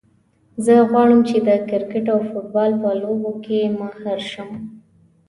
زه غواړم چې د کرکټ او فوټبال په لوبو کې ماهر شم